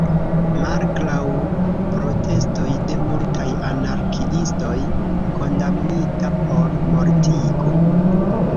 Malgraŭ protestoj de multaj anarkiistoj, kondamnita por mortigo.